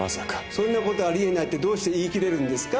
「そんなことあり得ない」ってどうして言い切れるんですか？